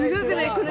これ。